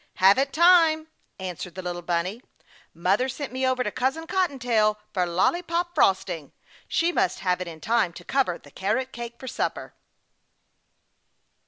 "Haven't time," answered the little bunny. "Mother sent me over to Cousin Cottontail for lollypop frosting. She must have it in time to cover the carrot cake for supper."